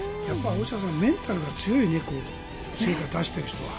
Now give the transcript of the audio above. メンタルが強いよね成果を出している人は。